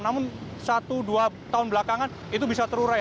namun satu dua tahun belakangan itu bisa terurai